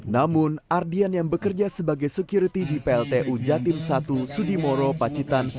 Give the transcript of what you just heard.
namun ardian yang bekerja sebagai security di pltu jatim satu sudimoro pacitan